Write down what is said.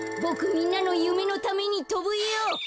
みんなのゆめのためにとぶよ。